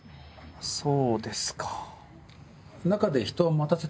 そうですか。